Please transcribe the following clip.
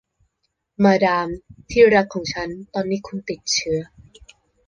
มาดามที่รักของฉัน ตอนนี้คุณติดเชื้อ